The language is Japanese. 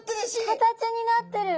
形になってる！